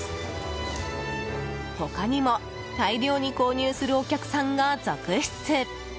他にも大量に購入するお客さんが続出！